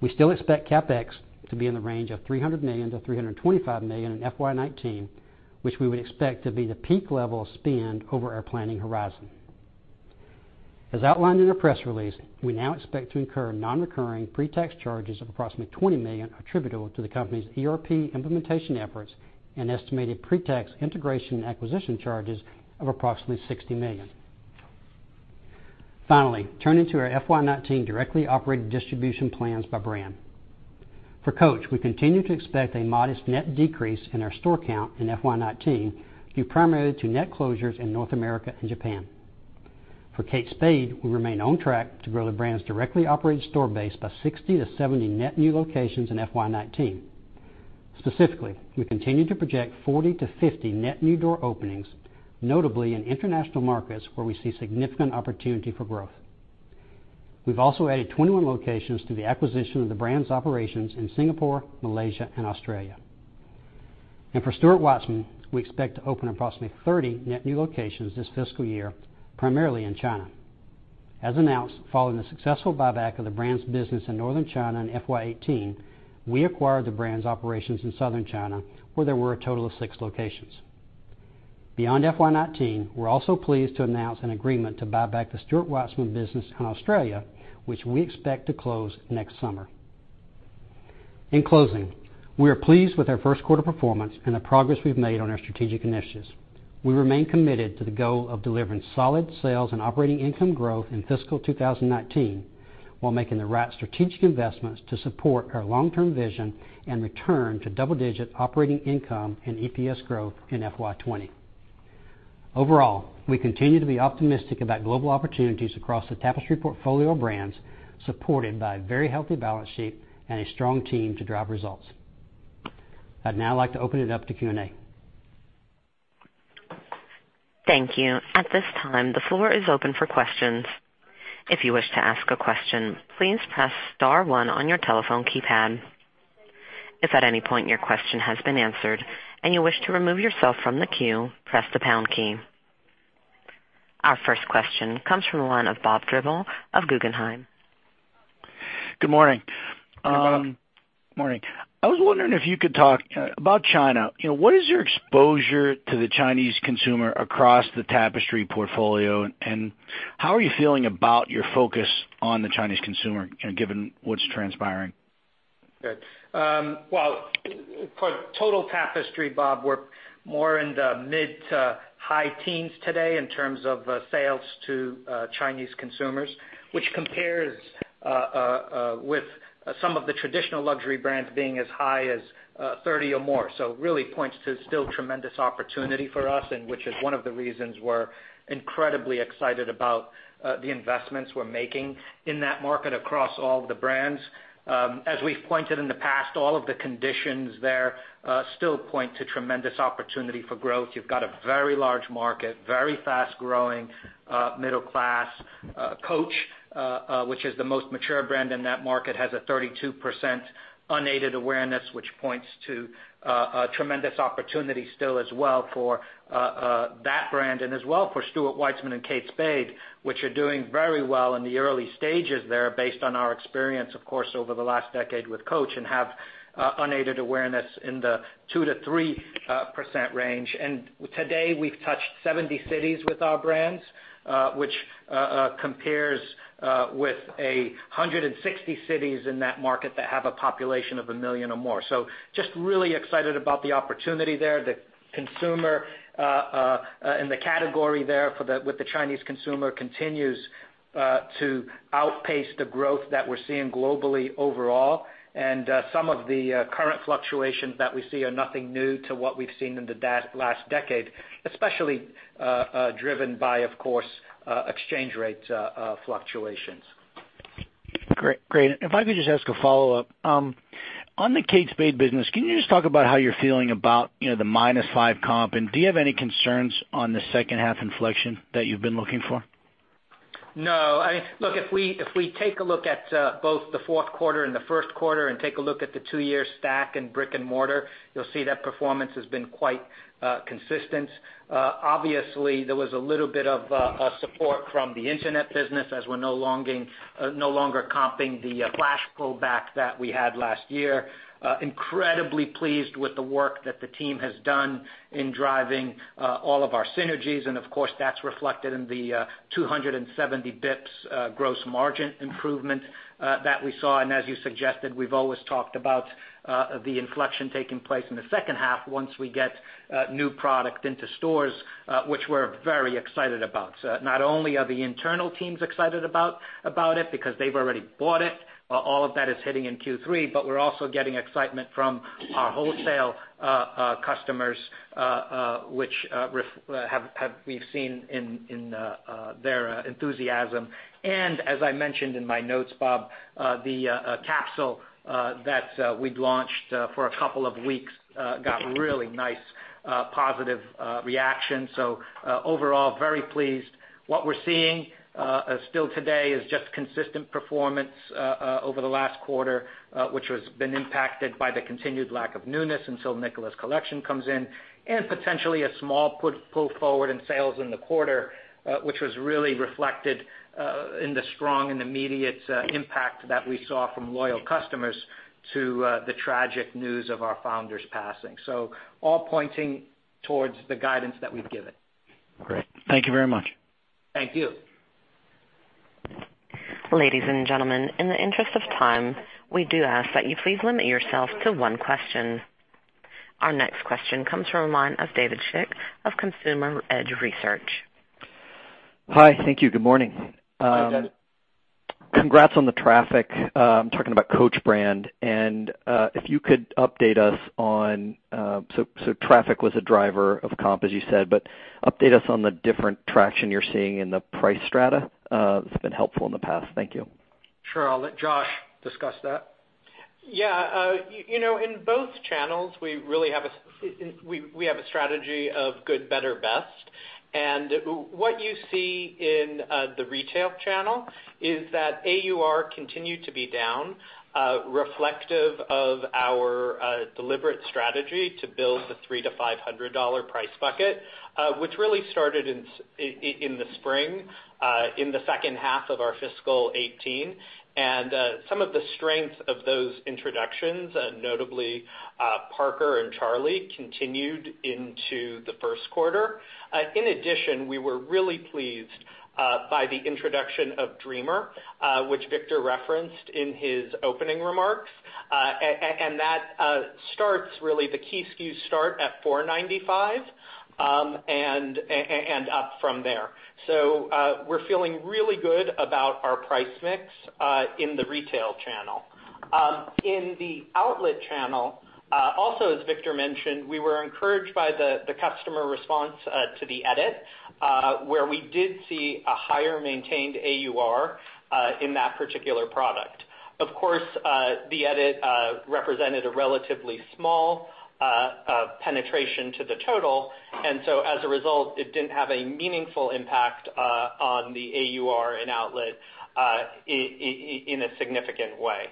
We still expect CapEx to be in the range of $300 million-$325 million in FY 2019, which we would expect to be the peak level of spend over our planning horizon. As outlined in our press release, we now expect to incur non-recurring pre-tax charges of approximately $20 million attributable to the company's ERP implementation efforts and estimated pre-tax integration and acquisition charges of approximately $60 million. Turning to our FY 2019 directly operated distribution plans by brand. For Coach, we continue to expect a modest net decrease in our store count in FY 2019, due primarily to net closures in North America and Japan. For Kate Spade, we remain on track to grow the brand's directly operated store base by 60-70 net new locations in FY 2019. Specifically, we continue to project 40-50 net new door openings, notably in international markets where we see significant opportunity for growth. We've also added 21 locations to the acquisition of the brand's operations in Singapore, Malaysia, and Australia. For Stuart Weitzman, we expect to open approximately 30 net new locations this fiscal year, primarily in China. As announced, following the successful buyback of the brand's business in Northern China in FY 2018, we acquired the brand's operations in Southern China, where there were a total of six locations. Beyond FY 2019, we're also pleased to announce an agreement to buy back the Stuart Weitzman business in Australia, which we expect to close next summer. In closing, we are pleased with our first quarter performance and the progress we've made on our strategic initiatives. We remain committed to the goal of delivering solid sales and operating income growth in fiscal 2019, while making the right strategic investments to support our long-term vision and return to double-digit operating income and EPS growth in FY 2020. Overall, we continue to be optimistic about global opportunities across the Tapestry portfolio brands, supported by a very healthy balance sheet and a strong team to drive results. I'd now like to open it up to Q&A. Thank you. At this time, the floor is open for questions. If you wish to ask a question, please press star one on your telephone keypad. If at any point your question has been answered and you wish to remove yourself from the queue, press the pound key. Our first question comes from the line of Bob Drbul of Guggenheim. Good morning. Good morning. Morning. I was wondering if you could talk about China. What is your exposure to the Chinese consumer across the Tapestry portfolio, and how are you feeling about your focus on the Chinese consumer, given what's transpiring? Good. Well, for total Tapestry, Bob, we're more in the mid-to-high teens today in terms of sales to Chinese consumers, which compares with some of the traditional luxury brands being as high as 30% or more. Really points to still tremendous opportunity for us, which is one of the reasons we're incredibly excited about the investments we're making in that market across all the brands. As we've pointed in the past, all of the conditions there still point to tremendous opportunity for growth. You've got a very large market, very fast-growing middle class. Coach, which is the most mature brand in that market, has a 32% unaided awareness, which points to a tremendous opportunity still as well for that brand. As well for Stuart Weitzman and Kate Spade, which are doing very well in the early stages there, based on our experience, of course, over the last decade with Coach, and have unaided awareness in the 2% to 3% range. Today, we've touched 70 cities with our brands, which compares with 160 cities in that market that have a population of 1 million or more. Just really excited about the opportunity there. The consumer and the category there with the Chinese consumer continues to outpace the growth that we're seeing globally overall. Some of the current fluctuations that we see are nothing new to what we've seen in the last decade, especially driven by, of course, exchange rate fluctuations. Great. If I could just ask a follow-up. On the Kate Spade business, can you just talk about how you're feeling about the -5% comp, and do you have any concerns on the second half inflection that you've been looking for? No. Look, if we take a look at both the fourth quarter and the first quarter and take a look at the two-year stack in brick and mortar, you'll see that performance has been quite consistent. Obviously, there was a little bit of support from the internet business as we're no longer comping the flash pullback that we had last year. Incredibly pleased with the work that the team has done in driving all of our synergies. Of course, that's reflected in the 270 bps gross margin improvement that we saw. As you suggested, we've always talked about the inflection taking place in the second half once we get new product into stores, which we're very excited about. Not only are the internal teams excited about it because they've already bought it, all of that is hitting in Q3, we're also getting excitement from our wholesale customers, which we've seen in their enthusiasm. As I mentioned in my notes, Bob, the capsule that we'd launched for a couple of weeks got really nice positive reactions. Overall, very pleased. What we're seeing still today is just consistent performance over the last quarter, which has been impacted by the continued lack of newness until Nicola's collection comes in. Potentially a small pull forward in sales in the quarter, which was really reflected in the strong and immediate impact that we saw from loyal customers to the tragic news of our founder's passing. All pointing towards the guidance that we've given. Great. Thank you very much. Thank you. Ladies and gentlemen, in the interest of time, we do ask that you please limit yourself to one question. Our next question comes from a line of David Schick of Consumer Edge Research. Hi. Thank you. Good morning. Hi, David. Congrats on the traffic. I'm talking about Coach brand. Traffic was a driver of comp, as you said, but update us on the different traction you're seeing in the price strata. It's been helpful in the past. Thank you. Sure. I'll let Josh discuss that. In both channels, we have a strategy of good, better, best. What you see in the retail channel is that AUR continued to be down, reflective of our deliberate strategy to build the $300-$500 price bucket, which really started in the spring, in the second half of our fiscal 2018. Some of the strengths of those introductions, notably Parker and Charlie, continued into the first quarter. In addition, we were really pleased by the introduction of Dreamer, which Victor referenced in his opening remarks. That starts really, the key SKUs start at $495, and up from there. We're feeling really good about our price mix in the retail channel. In the outlet channel, also as Victor mentioned, we were encouraged by the customer response to The Edit, where we did see a higher maintained AUR in that particular product. Of course, The Edit represented a relatively small penetration to the total. As a result, it didn't have a meaningful impact on the AUR and outlet in a significant way.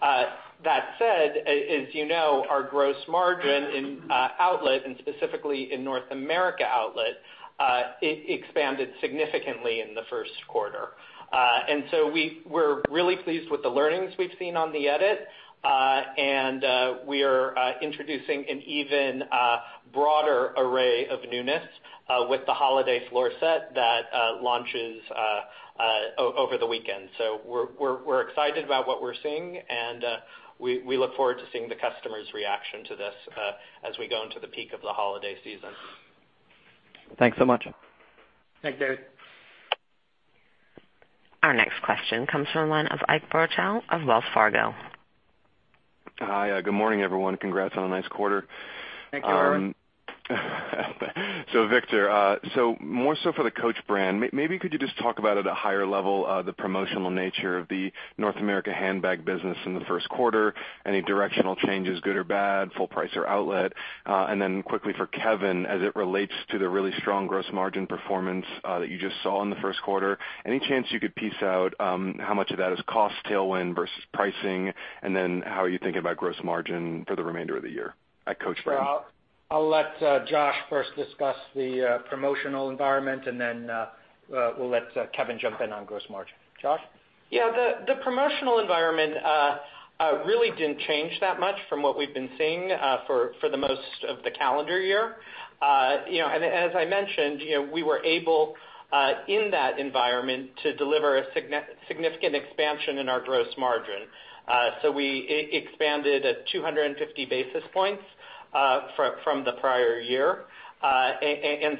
That said, as you know, our gross margin in outlet, and specifically in North America outlet, expanded significantly in the first quarter. We were really pleased with the learnings we've seen on The Edit. We are introducing an even broader array of newness with the holiday floor set that launches over the weekend. We're excited about what we're seeing, and we look forward to seeing the customer's reaction to this as we go into the peak of the holiday season. Thanks so much. Thanks, David. Our next question comes from the line of Ike Boruchow of Wells Fargo. Hi, good morning, everyone. Congrats on a nice quarter. Thank you, Boru. Victor, more so for the Coach brand. Maybe could you just talk about, at a higher level, the promotional nature of the North America handbag business in the first quarter? Any directional changes, good or bad, full price or outlet? And then quickly for Kevin, as it relates to the really strong gross margin performance that you just saw in the first quarter, any chance you could piece out how much of that is cost tailwind versus pricing? And then how are you thinking about gross margin for the remainder of the year at Coach brand? Sure. I'll let Josh first discuss the promotional environment, then we'll let Kevin jump in on gross margin. Josh? Yeah. The promotional environment really didn't change that much from what we've been seeing for the most of the calendar year. As I mentioned, we were able, in that environment, to deliver a significant expansion in our gross margin. We expanded at 250 basis points from the prior year.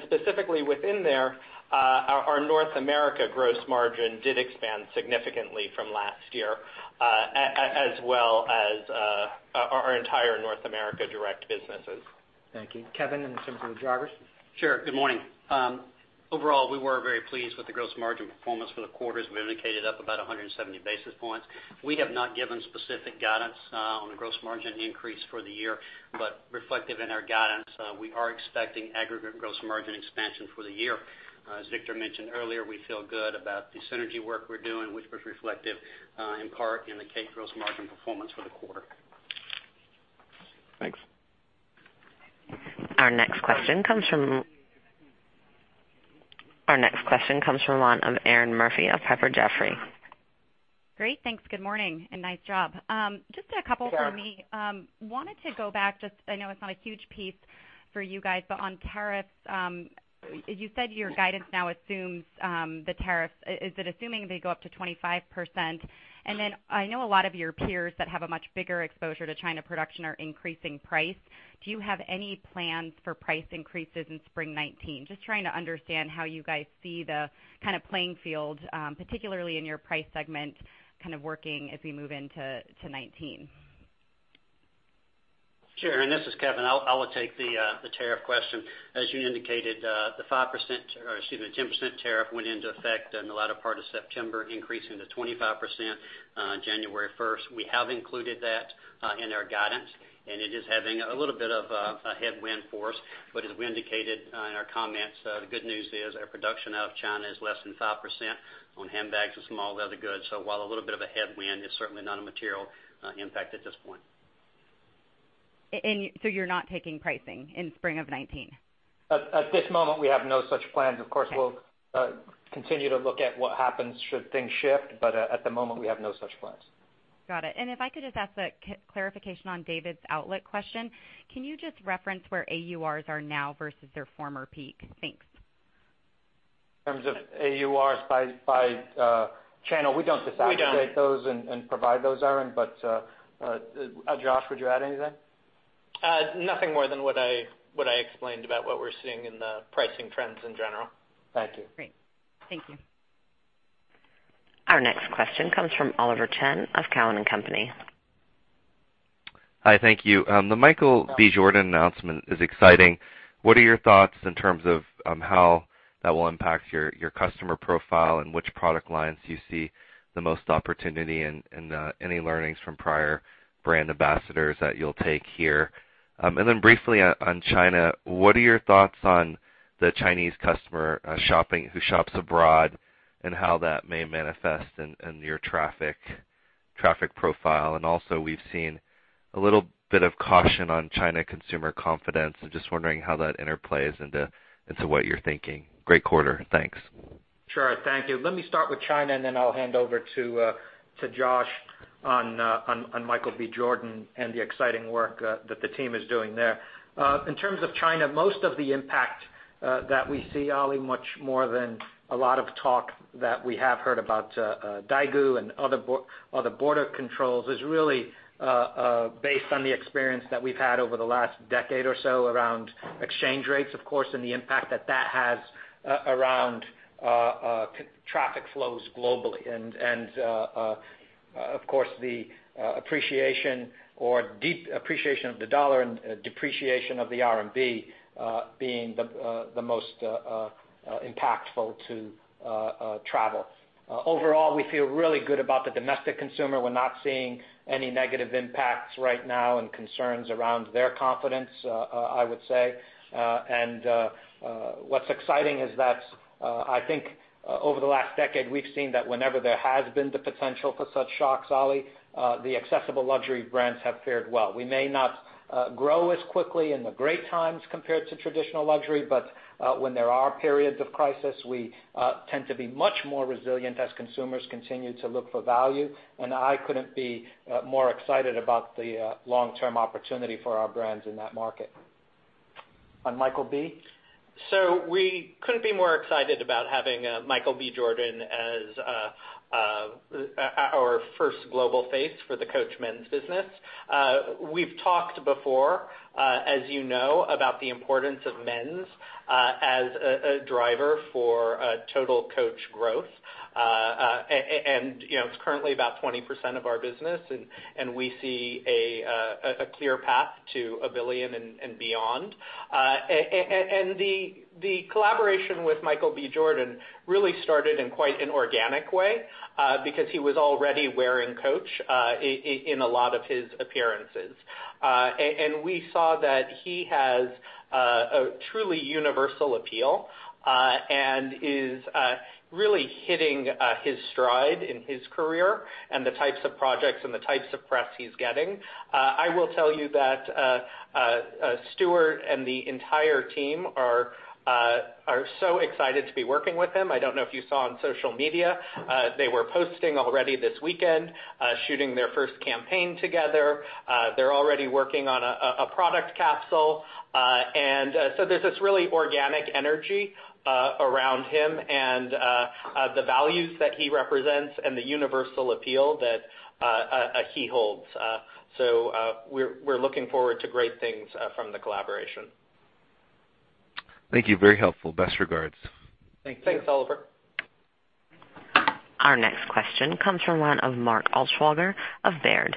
Specifically within there, our North America gross margin did expand significantly from last year, as well as our entire North America direct businesses. Thank you. Kevin, then same for you, Josh. Sure. Good morning. Overall, we were very pleased with the gross margin performance for the quarter, as we indicated, up about 170 basis points. We have not given specific guidance on the gross margin increase for the year, reflective in our guidance, we are expecting aggregate gross margin expansion for the year. As Victor mentioned earlier, we feel good about the synergy work we're doing, which was reflective in part in the Kate gross margin performance for the quarter. Thanks. Our next question comes from line of Erinn Murphy of Piper Jaffray. Great, thanks. Good morning, nice job. Sure. Just a couple from me. Wanted to go back, just I know it's not a huge piece for you guys, but on tariffs. You said your guidance now assumes the tariffs. Is it assuming they go up to 25%? I know a lot of your peers that have a much bigger exposure to China production are increasing price. Do you have any plans for price increases in spring 2019? Just trying to understand how you guys see the kind of playing field, particularly in your price segment, kind of working as we move into 2019. Sure, this is Kevin. I will take the tariff question. As you indicated, the 5%, or excuse me, the 10% tariff went into effect in the latter part of September, increasing to 25% on January 1st. We have included that in our guidance, it is having a little bit of a headwind force. As we indicated in our comments, the good news is our production out of China is less than 5% on handbags and small leather goods. While a little bit of a headwind, it's certainly not a material impact at this point. You're not taking pricing in spring of 2019? At this moment, we have no such plans. Of course, we'll continue to look at what happens should things shift. At the moment, we have no such plans. Got it. If I could just ask a clarification on David's outlet question. Can you just reference where AURs are now versus their former peak? Thanks. In terms of AURs by channel, we don't disaggregate. We don't those and provide those, Erinn. Joshua, would you add anything? Nothing more than what I explained about what we're seeing in the pricing trends in general. Thank you. Great. Thank you. Our next question comes from Oliver Chen of Cowen and Company. Hi, thank you. The Michael B. Jordan announcement is exciting. What are your thoughts in terms of how that will impact your customer profile and which product lines you see the most opportunity and any learnings from prior brand ambassadors that you'll take here? Briefly on China, what are your thoughts on the Chinese customer who shops abroad, and how that may manifest in your traffic profile? Also we've seen a little bit of caution on China consumer confidence. I'm just wondering how that interplays into what you're thinking. Great quarter. Thanks. Sure, thank you. Let me start with China, then I'll hand over to Josh on Michael B. Jordan and the exciting work that the team is doing there. In terms of China, most of the impact that we see, Oli, much more than a lot of talk that we have heard about Daigou and other border controls, is really based on the experience that we've had over the last decade or so around exchange rates, of course, and the impact that that has around traffic flows globally. Of course, the appreciation or deep appreciation of the dollar and depreciation of the RMB being the most impactful to travel. Overall, we feel really good about the domestic consumer. We're not seeing any negative impacts right now and concerns around their confidence, I would say. What's exciting is that, I think over the last decade, we've seen that whenever there has been the potential for such shocks, Oli, the accessible luxury brands have fared well. We may not grow as quickly in the great times compared to traditional luxury, but when there are periods of crisis, we tend to be much more resilient as consumers continue to look for value. I couldn't be more excited about the long-term opportunity for our brands in that market. On Michael B.? We couldn't be more excited about having Michael B. Jordan as our first global face for the Coach men's business. We've talked before, as you know, about the importance of men's as a driver for total Coach growth. It's currently about 20% of our business, and we see a clear path to a billion and beyond. The collaboration with Michael B. Jordan really started in quite an organic way, because he was already wearing Coach in a lot of his appearances. We saw that he has a truly universal appeal and is really hitting his stride in his career and the types of projects and the types of press he's getting. I will tell you that Stuart and the entire team are so excited to be working with him. I don't know if you saw on social media. They were posting already this weekend, shooting their first campaign together. They're already working on a product capsule. There's this really organic energy around him and the values that he represents and the universal appeal that he holds. We're looking forward to great things from the collaboration. Thank you. Very helpful. Best regards. Thank you. Thanks, Oliver. Our next question comes from one of Mark Altschwager of Baird.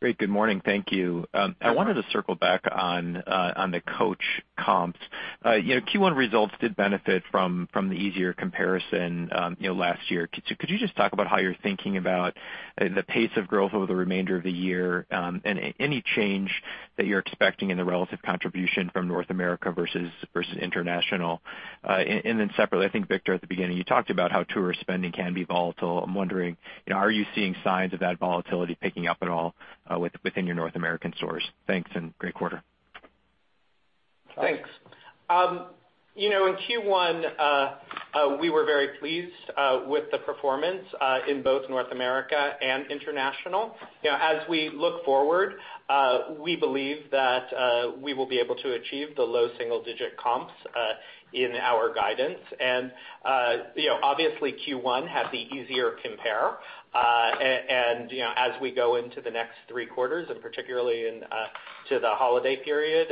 Great. Good morning. Thank you. Good morning. I wanted to circle back on the Coach comps. Q1 results did benefit from the easier comparison last year. Could you just talk about how you're thinking about the pace of growth over the remainder of the year and any change that you're expecting in the relative contribution from North America versus international? Separately, I think, Victor, at the beginning, you talked about how tourist spending can be volatile. I'm wondering, are you seeing signs of that volatility picking up at all within your North American stores? Thanks, and great quarter. Thanks. In Q1, we were very pleased with the performance in both North America and international. As we look forward, we believe that we will be able to achieve the low single-digit comps in our guidance. Obviously Q1 had the easier compare. As we go into the next three quarters, and particularly into the holiday period,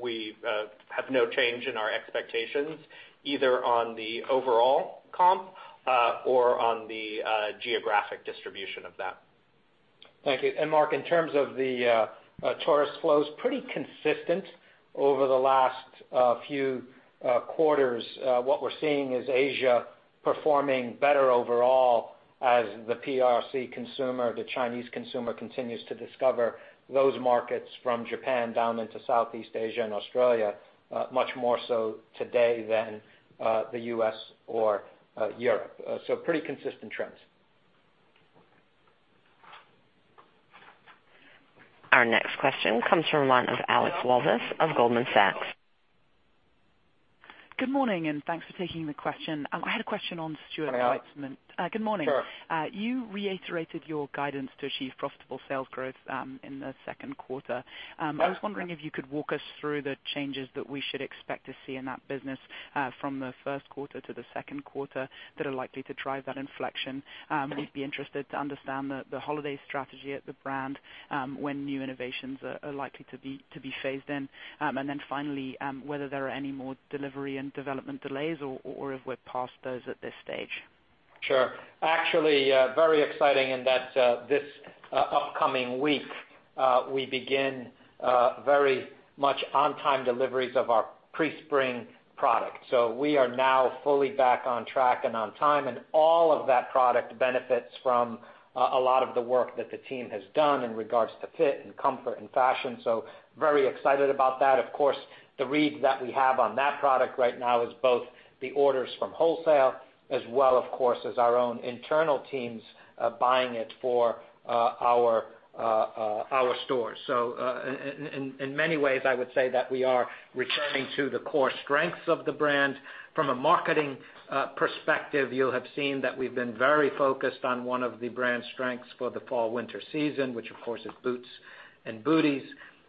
we have no change in our expectations, either on the overall comp or on the geographic distribution of that. Thank you. Mark, in terms of the tourist flows, pretty consistent over the last few quarters. What we're seeing is Asia performing better overall as the PRC consumer, the Chinese consumer, continues to discover those markets from Japan down into Southeast Asia and Australia, much more so today than the U.S. or Europe. Pretty consistent trends. Our next question comes from one of Alexandra Walvis of Goldman Sachs. Good morning. Thanks for taking the question. I had a question on Stuart Weitzman. Hi, Alex. Sure. Good morning. You reiterated your guidance to achieve profitable sales growth in the second quarter. Yes. I was wondering if you could walk us through the changes that we should expect to see in that business from the first quarter to the second quarter that are likely to drive that inflection. We'd be interested to understand the holiday strategy at the brand, when new innovations are likely to be phased in. Finally, whether there are any more delivery and development delays, or if we're past those at this stage. Sure. Actually, very exciting in that this upcoming week, we begin very much on-time deliveries of our pre-spring product. We are now fully back on track and on time, and all of that product benefits from a lot of the work that the team has done in regards to fit and comfort and fashion. Very excited about that. Of course, the read that we have on that product right now is both the orders from wholesale as well, of course, as our own internal teams buying it for our stores. In many ways, I would say that we are returning to the core strengths of the brand. From a marketing perspective, you'll have seen that we've been very focused on one of the brand's strengths for the fall/winter season, which of course is boots and booties.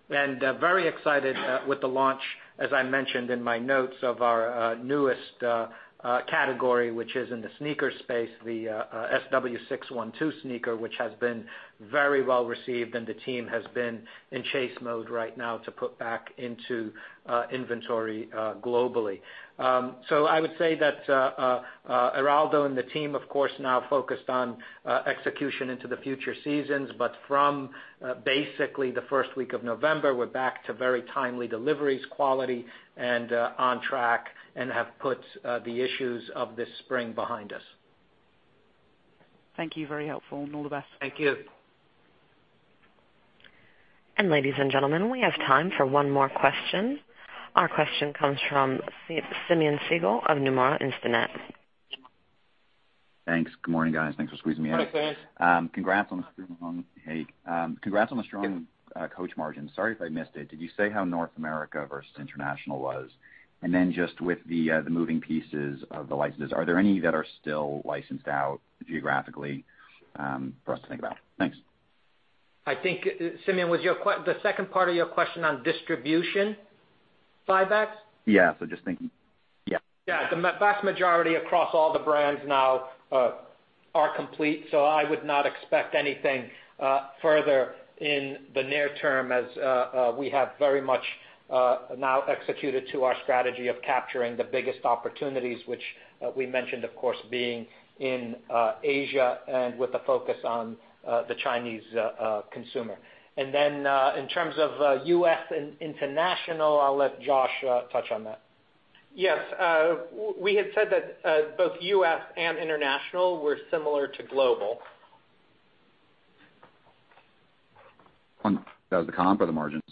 Very excited with the launch, as I mentioned in my notes, of our newest category, which is in the sneaker space, the SW-612 sneaker, which has been very well received, and the team has been in chase mode right now to put back into inventory globally. I would say that Eraldo and the team, of course, now focused on execution into the future seasons, but from basically the first week of November, we're back to very timely deliveries, quality, and on track and have put the issues of this spring behind us. Thank you. Very helpful, and all the best. Thank you. Ladies and gentlemen, we have time for one more question. Our question comes from Simeon Siegel of Nomura Instinet. Thanks. Good morning, guys. Thanks for squeezing me in. Hi, Simeon. Hey. Congrats on the strong Coach margins. Sorry if I missed it. Did you say how North America versus international was? Just with the moving pieces of the licenses, are there any that are still licensed out geographically for us to think about? Thanks. I think, Simeon, was the second part of your question on distribution buybacks? Yeah. Just thinking. Yeah. Yeah. The vast majority across all the brands now are complete. I would not expect anything further in the near term, as we have very much now executed to our strategy of capturing the biggest opportunities, which we mentioned, of course, being in Asia and with a focus on the Chinese consumer. Then, in terms of U.S. and international, I'll let Josh touch on that. Yes. We had said that both U.S. and international were similar to global. That was the comp or the margins?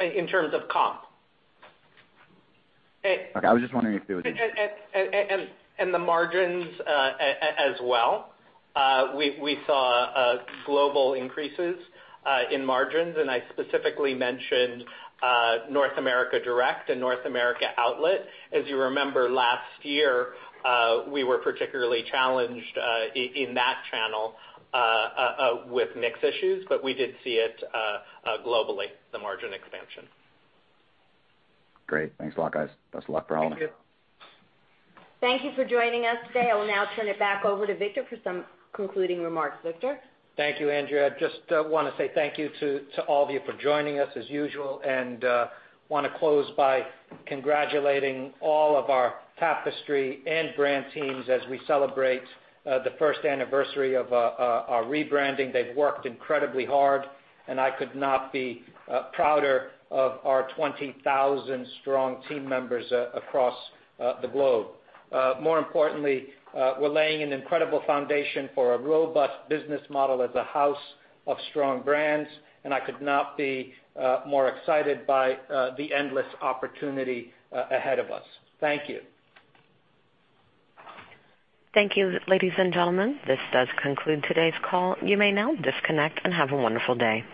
In terms of comp. Okay. The margins as well. We saw global increases in margins, and I specifically mentioned North America direct and North America outlet. As you remember, last year, we were particularly challenged in that channel with mix issues, but we did see it globally, the margin expansion. Great. Thanks a lot, guys. Best of luck for all of you. Thank you. Thank you for joining us today. I will now turn it back over to Victor for some concluding remarks. Victor? Thank you, Andrea. I just want to say thank you to all of you for joining us as usual, and want to close by congratulating all of our Tapestry and brand teams as we celebrate the first anniversary of our rebranding. They've worked incredibly hard, and I could not be prouder of our 20,000 strong team members across the globe. More importantly, we're laying an incredible foundation for a robust business model as a house of strong brands, and I could not be more excited by the endless opportunity ahead of us. Thank you. Thank you, ladies and gentlemen. This does conclude today's call. You may now disconnect, and have a wonderful day.